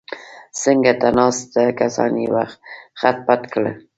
څنګ ته ناست کسان یې خت پت کړل.